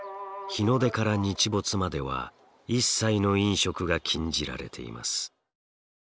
日の出から日没までは一切の飲食が禁じられています。